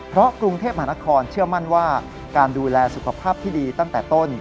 เพราะกรุงเทพมหานครเชื่อมั่นว่าการดูแลสุขภาพที่ดีตั้งแต่ต้น